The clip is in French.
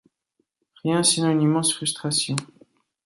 Rien, sinon une immense frustration.